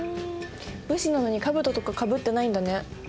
武士なのにかぶととかかぶってないんだね。